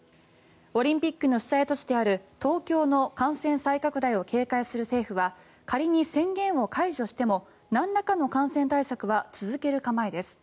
オリンピックの主催都市である東京の感染再拡大を警戒する政府は仮に宣言を解除してもなんらかの感染対策は続ける構えです。